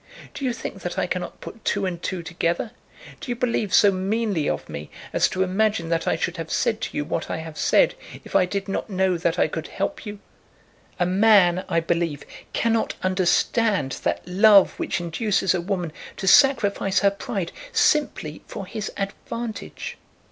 Do you think that I cannot put two and two together? Do you believe so meanly of me as to imagine that I should have said to you what I have said, if I did not know that I could help you? A man, I believe, cannot understand that love which induces a woman to sacrifice her pride simply for his advantage.